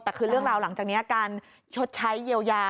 แต่คือเรื่องราวหลังจากนี้การชดใช้เยียวยา